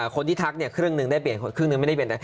คนที่ทักเนี่ยครึ่งนึงได้เปลี่ยนครึ่งนึงไม่ได้เปลี่ยน